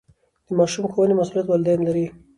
د ماشوم د ښوونې مسئولیت والدین لري.